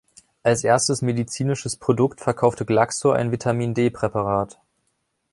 Als erstes medizinisches Produkt verkaufte Glaxo ein Vitamin D-Präparat.